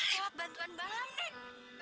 lewat bantuan balam nek